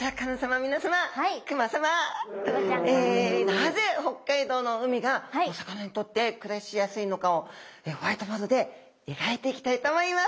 なぜ北海道の海がお魚にとって暮らしやすいのかをホワイトボードで描いていきたいと思います。